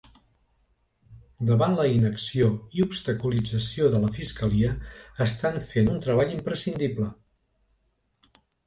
Davant la inacció i obstaculització de la fiscalia estan fent un treball imprescindible.